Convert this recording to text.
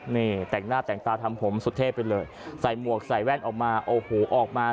นี่แต่งหน้าแต่งตาทำผมสุเทพไปเลยใส่หมวกใส่แว่นออกมาโอ้โหออกมา